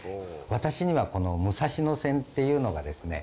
私にはこの武蔵野線っていうのがですね